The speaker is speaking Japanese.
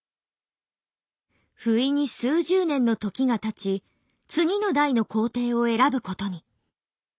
不意に数十年の時がたち次の代の皇帝を選ぶことに。